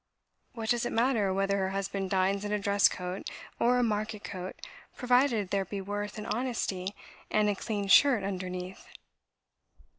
What does it matter whether her husband dines in a dress coat, or a market coat, provided there be worth, and honesty, and a clean shirt underneath?"